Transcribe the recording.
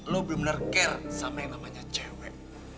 lo bener bener care sama yang namanya cewek